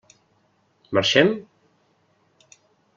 Marxem?